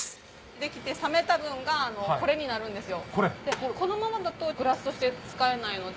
出来て冷めた分がこれになるんですよ。